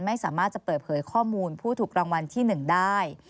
ไม่สามารถจะเปิดเผยข้อมูลผู้ถูกรางวัลที่๑ได้